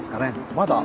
まだ。